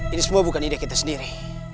ini semua bukan ide kita sendiri